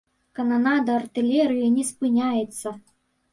Кананада артылерыі не спыняецца.